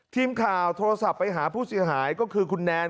ทีมข่าวโทรศัพท์ไปหาผู้เสียหายก็คือคุณแนน